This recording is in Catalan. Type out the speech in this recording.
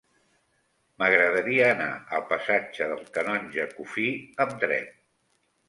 M'agradaria anar al passatge del Canonge Cuffí amb tren.